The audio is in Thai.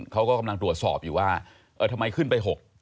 เขาก็กำลังตรวจสอบอยู่ว่าเออทำไมขึ้นไป๖